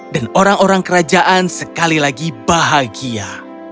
dan orang orang kerajaan sekali lagi bahagia